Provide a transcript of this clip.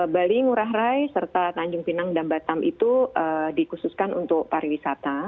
bali murah rai serta tanjung pinang dan batam itu dikhususkan untuk pariwisata